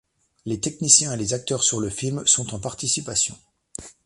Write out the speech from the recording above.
Les techniciens et les acteurs sur le film sont en participation.